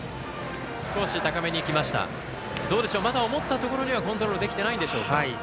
どうでしょうまだ思ったところにコントロールできていないんでしょうか？